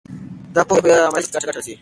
دا پوهه په عملي سیاست کې ګټه رسوي.